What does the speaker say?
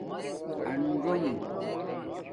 اثݸنݣ